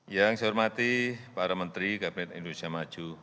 yang saya hormati para menteri kabinet indonesia maju